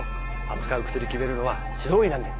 扱う薬決めるのは指導医なんで。